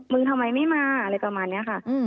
ทำไมไม่มาอะไรประมาณนี้ค่ะ